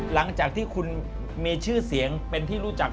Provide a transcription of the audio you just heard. หลังจากที่คุณมีชื่อเสียงเป็นที่รู้จัก